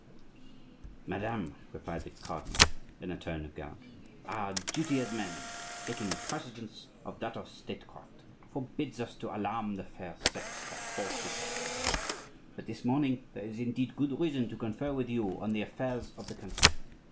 "Madame," replied the cardinal, in a tone of gallantry, "our duty as men, taking precedence of that of statecraft, forbids us to alarm the fair sex by false reports. But this morning there is indeed good reason to confer with you on the affairs of the country.